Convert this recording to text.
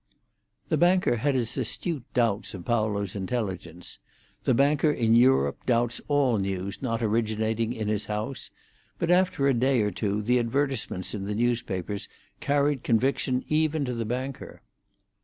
The banker had his astute doubts of Paolo's intelligence; the banker in Europe doubts all news not originating in his house; but after a day or two the advertisements in the newspapers carried conviction even to the banker.